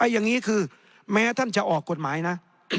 อย่างนี้คือแม้ท่านจะออกกฎหมายนะ